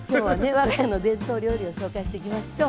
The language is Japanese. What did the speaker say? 我が家の伝統料理を紹介していきましょう。